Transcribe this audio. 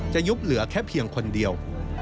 ยุบเหลือแค่เพียงคนเดียว